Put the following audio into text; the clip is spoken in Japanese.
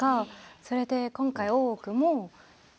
それで今回、「大奥」も。